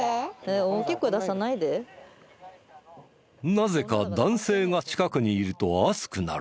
なぜか男性が近くにいると熱くなる。